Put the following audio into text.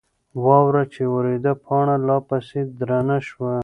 واوره چې وورېده، پاڼه لا پسې درنه شوه.